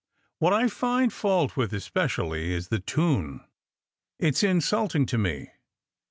What I find fault with especially is the tune. It's insulting to me.